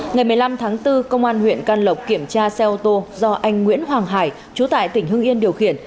ngày một mươi năm tháng bốn công an huyện can lộc kiểm tra xe ô tô do anh nguyễn hoàng hải chú tại tỉnh hưng yên điều khiển